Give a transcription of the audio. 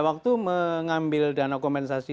waktu mengambil dana kompensasi